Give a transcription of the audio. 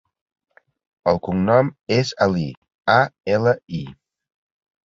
El cognom és Ali: a, ela, i.